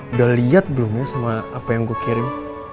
udah liat belum ya sama apa yang gue kirim